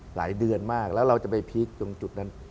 หลายเดือนมากแล้วเราจะไปพีคตรงจุดนั้น